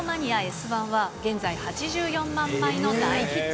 Ｓ１は現在８４万枚の大ヒット。